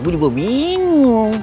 bu juga bingung